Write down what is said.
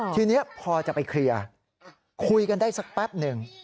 ทีนี้พอจะไปเคลียร์คุยกันได้สักแป๊บหนึ่ง